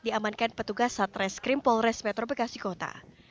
diamankan petugas satreskrim polres metro bekasi kota